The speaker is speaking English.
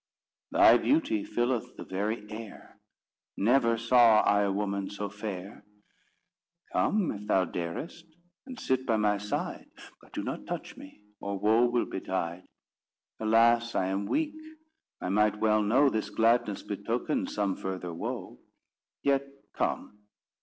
"Thy beauty filleth the very air, Never saw I a woman so fair." "Come, if thou darest, and sit by my side; But do not touch me, or woe will betide. Alas, I am weak: I might well know This gladness betokens some further woe. Yet come.